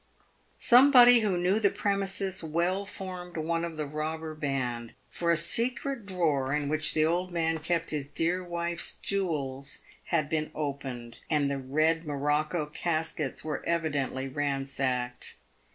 Somebody who knew the premises well formed one of the robber band, for a secret drawer in which the old man kept his dear wife's jewels had been opened, and the red morocco caskets were evi dently ransacked.